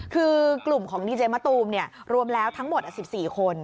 คือกลุ่มของดีเจมะตูมรวมแล้วทั้งหมด๑๔คน